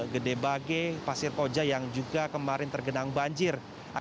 gedebage pasir koja yang juga kemarin tergenang banjir